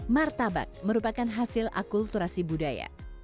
martabak merupakan hasil akulturasi budaya